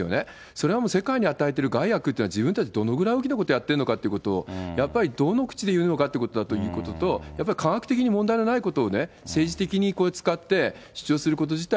それはもう世界に与えてる害悪っていうのは自分たち、どのくらい大きなことやってるのかっていうこと、やっぱりどの口で言うのかということと、やっぱり科学的に問題のないことを政治的にこれ使って、主張すること自体